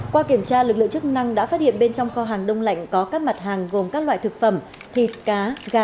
qua kiểm tra lực lượng chức năng đã phát hiện bên trong kho hàng đông lạnh có các mặt hàng gồm các loại thực phẩm thịt cá gà